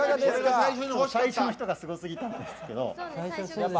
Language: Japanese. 最初の人がすごすぎたんですけど。